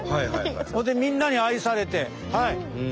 それでみんなに愛されて。